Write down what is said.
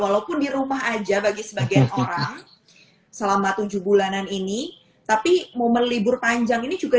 walaupun di rumah aja bagi sebagian orang selama tujuh bulanan ini tapi momen libur panjang ini juga